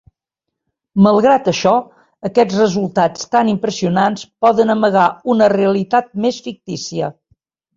Malgrat això, aquests resultats tan impressionants poden amagar una realitat més fictícia.